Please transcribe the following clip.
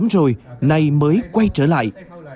rồi nay mới quay trở lại